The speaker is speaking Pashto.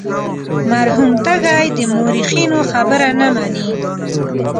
مرحوم تږی د مورخینو خبره نه مني.